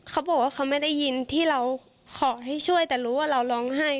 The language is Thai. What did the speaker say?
เขาบอกว่าเขาไม่ได้ยินที่เราขอให้ช่วยแต่รู้ว่าเราร้องไห้